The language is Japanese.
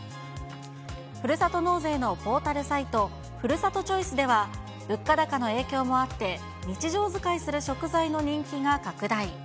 ふるさと納税のポータルサイト、ふるさとチョイスでは、物価高の影響もあって、日常使いする食材の人気が拡大。